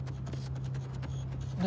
何？